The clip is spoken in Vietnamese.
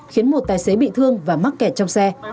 khiến một tài xế bị thương và mắc kẹt trong xe